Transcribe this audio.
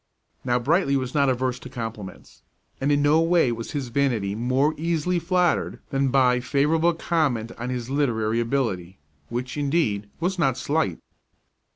Now Brightly was not averse to compliments; and in no way was his vanity more easily flattered than by favorable comment on his literary ability, which, indeed, was not slight.